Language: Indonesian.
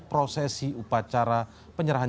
prosesi upacara penyerahan